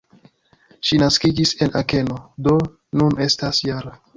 Ŝi naskiĝis en Akeno, do nun estas -jara.